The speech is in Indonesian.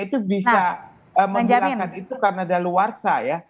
itu bisa dibilangkan itu karena ada luarsa ya